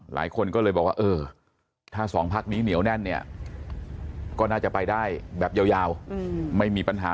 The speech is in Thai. หลายคนก็เลยบอกว่าเออถ้าสองพักนี้เหนียวแน่นเนี่ยก็น่าจะไปได้แบบยาวไม่มีปัญหา